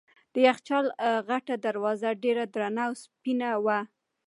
د یخچال غټه دروازه ډېره درنه او سپینه وه.